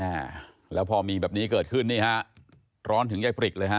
อ่าแล้วพอมีแบบนี้เกิดขึ้นนี่ฮะร้อนถึงยายปริกเลยฮ